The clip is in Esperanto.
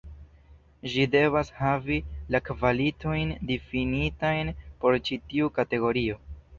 Ĝi devas havi la kvalitojn difinitajn por ĉi tiu kategorio.